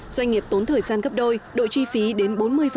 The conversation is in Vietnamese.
doanh nghiệp tốn thời gian gấp đôi đội chi phí đến bốn mươi